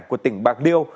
của tỉnh bạc liêu